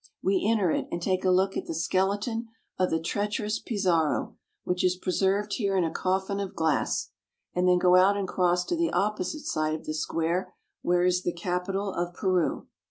We enter it and take a look at the skeleton of the treacherous Pizarro, which is preserved here in a coffin of glass, and then go out and cross to the opposite side of the square, where is the capitol of Peru.